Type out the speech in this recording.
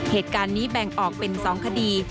เหตุการณ์นี้แบ่งออกเป็น๒คดี